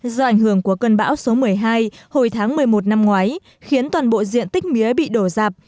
do ảnh hưởng của cơn bão số một mươi hai hồi tháng một mươi một năm ngoái khiến toàn bộ diện tích mía bị đổ dạp